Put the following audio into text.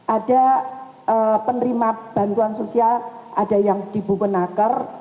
ada penerima bantuan sosial ada yang di bupenaker